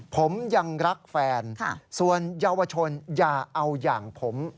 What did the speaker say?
ผมยังรักแฟนส่วนเยาวชนอย่าเอาอย่างผม